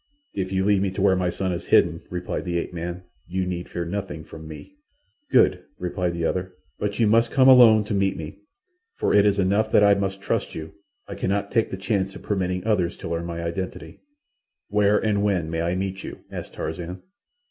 "If you lead me to where my son is hidden," replied the ape man, "you need fear nothing from me." "Good," replied the other. "But you must come alone to meet me, for it is enough that I must trust you. I cannot take the chance of permitting others to learn my identity." "Where and when may I meet you?" asked Tarzan.